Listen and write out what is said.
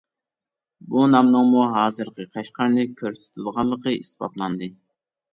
بۇ نامنىڭمۇ ھازىرقى قەشقەرنى كۆرسىتىدىغانلىقى ئىسپاتلاندى.